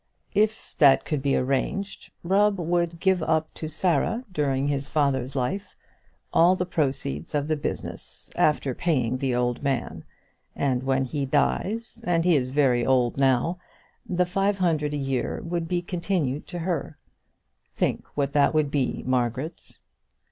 "If that could be arranged, Rubb would give up to Sarah during his father's life all the proceeds of the business, after paying the old man. And when he dies, and he is very old now, the five hundred a year would be continued to her. Think what that would be, Margaret."